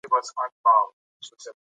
قمري هیڅکله له خپل کار څخه نه ستړې کېږي.